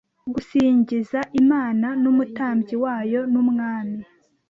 gusingiza Imana nUmutambyi wayo nUmwami